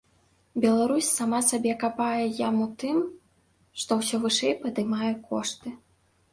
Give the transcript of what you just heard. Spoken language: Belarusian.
Беларусь сама сабе капае яму тым, што ўсё вышэй падымае кошты.